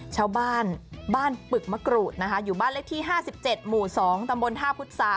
ชาวบ้านบ้านปึกมะกรูดนะคะอยู่บ้านเล็กที่ห้าสิบเจ็ดหมู่สองตำบลท่าพุทธศาสตร์